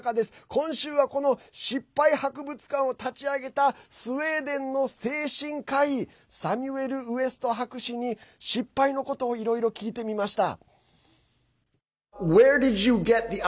今週は、この失敗博物館を立ち上げたスウェーデンの精神科医サミュエル・ウエスト博士に失敗のことをいろいろ聞いてみました。